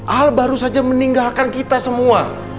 hal baru saja meninggalkan kita semua